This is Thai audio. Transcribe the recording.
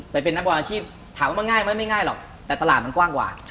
ไปเป็นนักบอลอาชีพถามว่ามันง่ายไหมไม่ง่ายหรอกแต่ตลาดมันกว้างกว่า